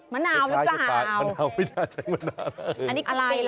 มะนาวแล้วก็อ่าวใช่มะนาวไม่น่าใช้มะนาว